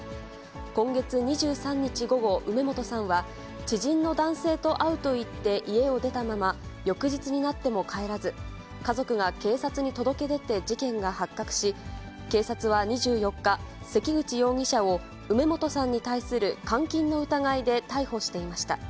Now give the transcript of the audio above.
今月２３日午後、梅本さんは知人の男性と会うといって家を出たまま、翌日になっても帰らず、家族が警察に届け出て事件が発覚し、警察は２４日、関口容疑者を、梅本さんに対する監禁の疑いで逮捕していました。